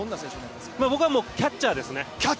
僕はキャッチャーですね。